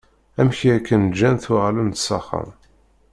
Amek i aken-ǧǧan tuɣalem-d s axxam?